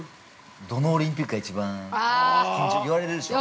どのオリンピックが一番、緊張言われるでしょう？